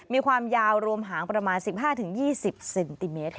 มีความยาวรวมหางประมาณ๑๕๒๐เซนติเมตรค่ะ